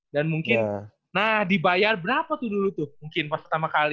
dan mungkin nah dibayar berapa tuh dulu tuh mungkin pas pertama kali